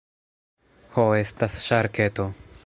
Ho estas ŝarketo.